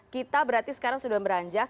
kita berarti sekarang sudah beranjak